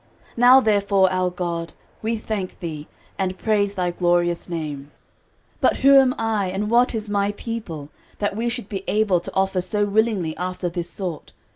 13:029:013 Now therefore, our God, we thank thee, and praise thy glorious name. 13:029:014 But who am I, and what is my people, that we should be able to offer so willingly after this sort?